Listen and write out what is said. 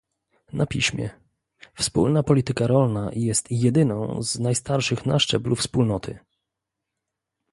na piśmie - Wspólna polityka rolna jest jedyną z najstarszych na szczeblu Wspólnoty